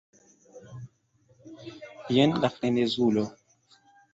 jen la frenezulo!